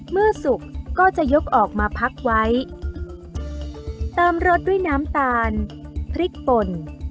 สุกก็จะยกออกมาพักไว้เติมรสด้วยน้ำตาลพริกป่น